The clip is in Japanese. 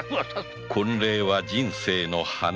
婚礼は人生の華。